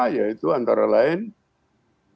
yaitu antara lain pengurangan